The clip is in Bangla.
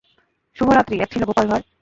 শুভ রাত্রি এক ছিল গোপাল ভাঁড়।